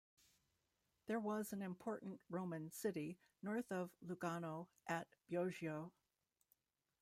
There was an important Roman city north of Lugano at Bioggio.